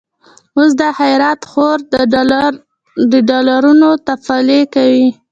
اوس دا خيرات خور، د ډالرونو تفالې کوي